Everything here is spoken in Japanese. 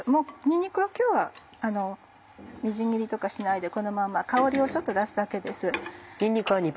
にんにくは今日はみじん切りとかしないでこのまま香りをちょっと出すだけです。